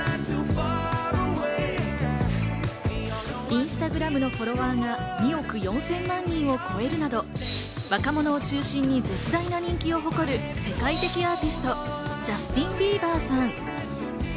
インスタグラムのフォロワーが２億４０００万人を超えるなど、若者を中心に絶大な人気を誇る世界的アーティスト、ジャスティン・ビーバーさん。